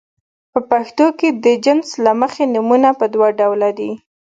په پښتو کې د جنس له مخې نومونه په دوه ډوله دي.